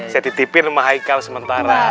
saya ditipin sama haikal sementara